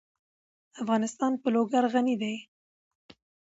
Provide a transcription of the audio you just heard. افغانستان په لوگر غني دی.